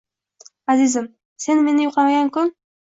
Azizim, Sen meni yo’qlamagan kun.